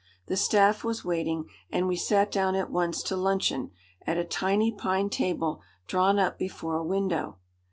The staff was waiting and we sat down at once to luncheon at a tiny pine table drawn up before a window.